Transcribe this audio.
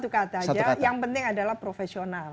cuma satu kata saja yang penting adalah profesional